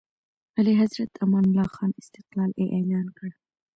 اعلیحضرت امان الله خان استقلال اعلان کړ.